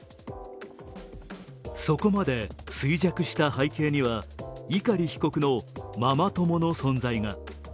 そこまで衰弱した背景には、碇被告のママ友の存在が。